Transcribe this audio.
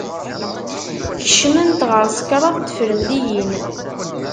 Kecment ɣer-s kraḍ n tefremliyin.